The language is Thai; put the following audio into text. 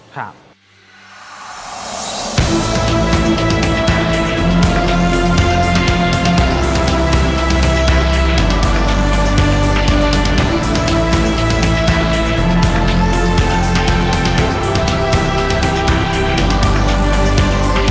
โปรดติดตามตอนต่อไป